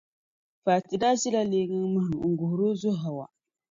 Fati daa ʒila leeŋa mahim n-guhiri o zo Hawa.